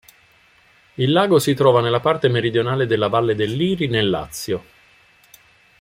Il lago si trova nella parte meridionale della Valle del Liri nel Lazio.